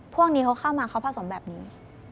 พวกนี้เขาเข้ามาเขาผสมแบบนี้